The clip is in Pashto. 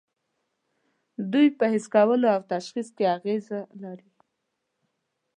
دوی په حس کولو او تشخیص کې اغیزه لري.